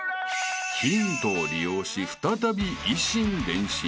［ヒントを利用し再び以心伝心］